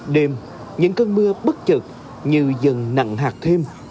đêm những cơn mưa bất chợt như dần nặng hạt thêm